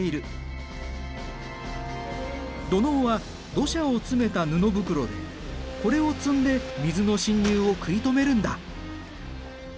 土のうは土砂を詰めた布袋でこれを積んで水の浸入を食い止めるんだ。